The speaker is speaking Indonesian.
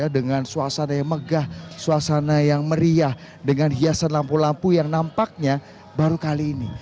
dengan suasana yang megah suasana yang meriah dengan hiasan lampu lampu yang nampaknya baru kali ini